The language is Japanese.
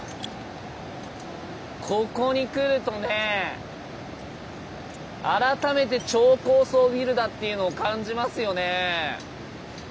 ここに来るとね改めて超高層ビルだっていうのを感じますよね。